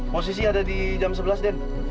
posisi ada di jam sebelas den